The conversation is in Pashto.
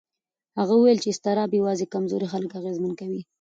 هغه وویل چې اضطراب یوازې کمزوري خلک اغېزمن کوي.